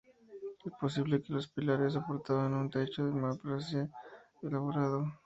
Es posible que los pilares, soportaban un techo de mampostería elaborado.